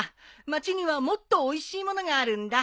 町にはもっとおいしい物があるんだ。